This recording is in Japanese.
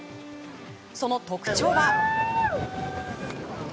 その特徴は。